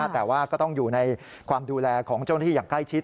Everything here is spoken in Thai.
แต่ว่าก็ต้องอยู่ในความดูแลของเจ้าหน้าที่อย่างใกล้ชิด